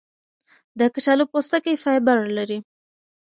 د کچالو پوستکی فایبر لري.